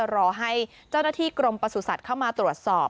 รอให้เจ้าหน้าที่กรมประสุทธิ์เข้ามาตรวจสอบ